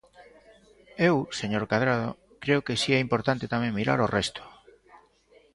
Eu, señor Cadrado, creo que si é importante tamén mirar ao resto.